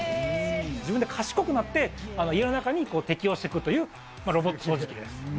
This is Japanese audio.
自分で賢くなって、家の中に適応していくという、ロボット掃除機です。